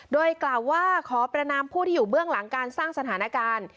โดยกล่าวว่าขอประนามผู้ที่อยู่เบื้องหลังการสร้างสถานการณ์